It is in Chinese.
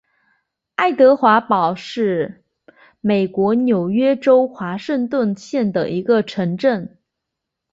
爱德华堡是美国纽约州华盛顿县的一个城镇。